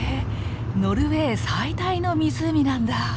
ノルウェー最大の湖なんだ！